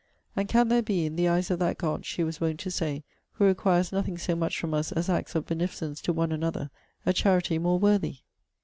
And can there be, in the eyes of that God, she was wont to say, who requires nothing so much from us as acts of beneficence to one another, a charity more worthy?'